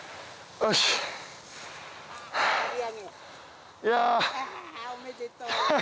おめでとう！